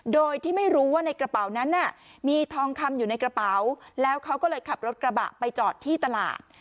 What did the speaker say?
โดยที่ไม่รู้ว่าในกระเป๋านั้นมีทองคำอยู่ในกระเป๋าแล้วเขาก็เลยขับรถกระบะไปจอดที่ตลาด